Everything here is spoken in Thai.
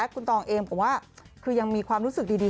คุณตองเองผมว่าคือยังมีความรู้สึกดี